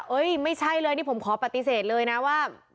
ไม่ใช่เลยนี่ผมขอปฏิเสธเลยนะว่า